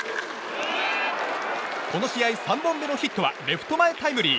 この試合３本目のヒットはレフト前タイムリー。